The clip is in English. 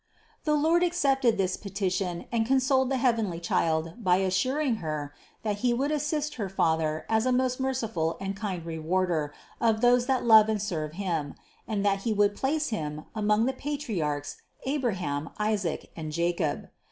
668. The Lord accepted this petition and consoled the heavenly Child by assuring Her, that He would assist her father as a most merciful and kind Rewarder of those that love and serve Him, and that He would place him among the Patriarchs Abraham, Isaac and Jacob.